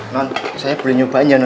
non saya boleh nyobain ya non ya